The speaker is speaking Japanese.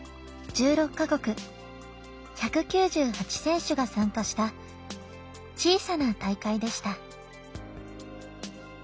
１６か国、１９８選手が参加した小さな大会でした。